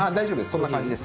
そんな感じです。